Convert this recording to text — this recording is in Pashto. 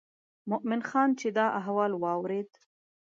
مومن خان چې دا احوال واورېد.